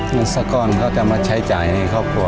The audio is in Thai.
นักศักรณ์เขาจะมาใช้จ่ายในครอบครัว